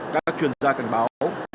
các chuyên gia cảnh báo